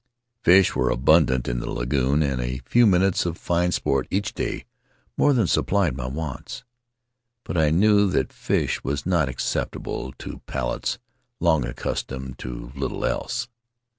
Fish were abundant in the lagoon, and a few minutes of fine sport each day more than sup plied my wants; but I knew that fish was not accept able to palates long accustomed to little else.